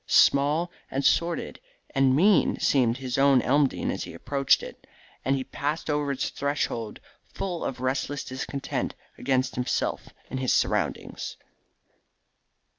Small and sordid and mean seemed his own Elmdene as he approached it, and he passed over its threshold full of restless discontent against himself and his surroundings.